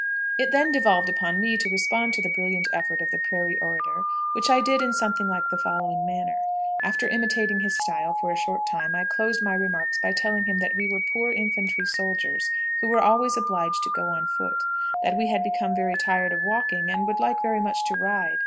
It then devolved upon me to respond to the brilliant effort of the prairie orator, which I did in something like the following manner. After imitating his style for a short time, I closed my remarks by telling him that we were poor infantry soldiers, who were always obliged to go on foot; that we had become very tired of walking, and would like very much to ride.